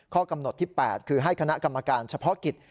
ข้อกำหนดที่๘คือให้คณะกรรมการเฉพาะกิจ